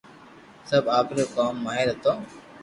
سب آپري ڪوم ماھر ھتو